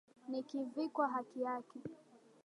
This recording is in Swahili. Nikivikwa haki yake.